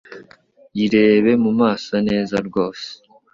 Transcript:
yirebe mu maso neza rwose